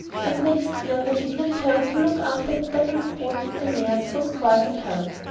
But next year, when he returned to look after the dappled colt and the mares, he was quite appalled.